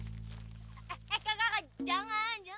eh eh kakak jangan jangan